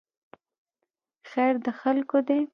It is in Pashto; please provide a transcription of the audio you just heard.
خیر د خلکو دی